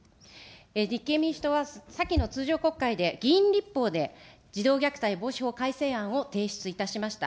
立憲民主党は先の通常国会で、議員立法で児童虐待防止法改正案を提出いたしました。